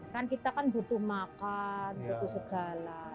kan kita kan butuh makan butuh segala